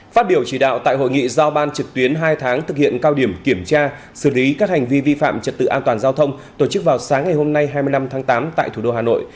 phát biểu chỉ đạo tại hội nghị giao ban trực tuyến hai tháng thực hiện cao điểm kiểm tra xử lý các hành vi vi phạm trật tự an toàn giao thông tổ chức vào sáng ngày hôm nay hai mươi năm tháng tám tại thủ đô hà nội